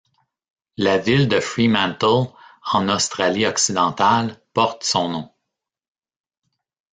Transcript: La ville de Fremantle en Australie-Occidentale, porte son nom.